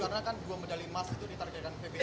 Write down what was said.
karena kan dua medali emas itu ditargetkan pbsi